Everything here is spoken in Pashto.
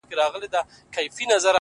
زه له غمه سينه چاک درته ولاړ يم”